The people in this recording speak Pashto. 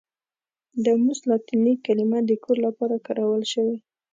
دوموس لاتیني کلمه د کور لپاره کارول شوې.